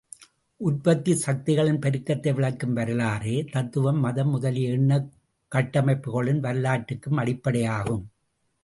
உற்பத்திச் சக்திகளின் பெருக்கத்தை விளக்கும் வரலாறே, தத்துவம், மதம் முதலிய எண்ணக் கட்டமைப்புகளின் வரலாற்றுக்கும் அடிப்படையாகும்.